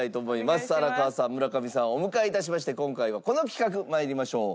さあ荒川さん村上さんをお迎え致しまして今回はこの企画参りましょう。